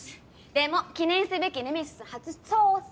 でも記念すべきネメシス初捜査。